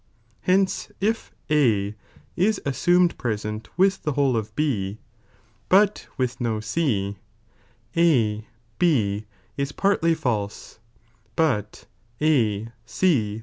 Hence if A is assumed present with the whole of B, but with no C, A B is partly false, but A C t Example (6.)